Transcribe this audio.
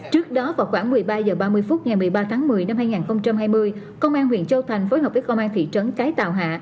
trước đó vào khoảng một mươi ba h ba mươi phút ngày một mươi ba tháng một mươi năm hai nghìn hai mươi công an huyện châu thành phối hợp với công an thị trấn cái tàu hạ